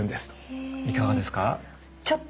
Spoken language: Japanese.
いかがですか？